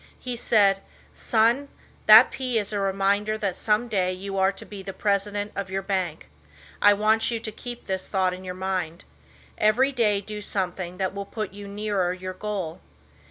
He said, "Son, that 'P' is a reminder that some day you are to be the president of your bank. I want you to keep this thought in your mind. Every day do something that will put you nearer your goal."